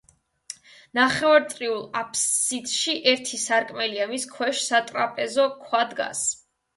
ნახევარწრიულ აფსიდში ერთი სარკმელია, მის ქვეშ სატრაპეზო ქვა დგას.